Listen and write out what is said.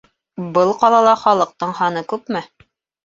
Был ҡалала халыҡтың һаны күпме?